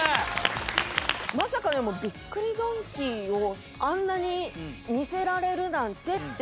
まさかびっくりドンキーをあんなに似せられるなんてっていう。